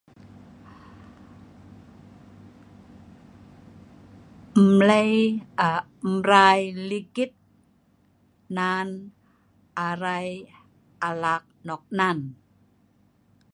Mlei aa mrai ligit nan arai alak noknan.